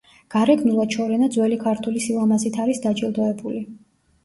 გარეგნულად შორენა ძველი ქართული სილამაზით არის დაჯილდოებული.